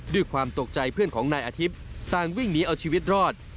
ด้วยความตกใจเพื่อนของนายอาทิตย์ต่างวิ่งหนีเอาชีวิตรอด